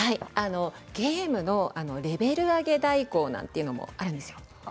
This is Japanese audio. ゲームのレベル上げ代行というものがあるんです。